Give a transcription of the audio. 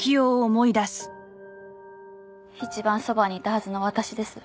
一番そばにいたはずの私ですら。